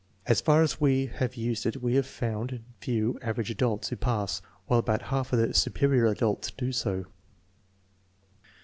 As far as we have used it we have found few " average adults " who pass, while about half the " superior adults " do so.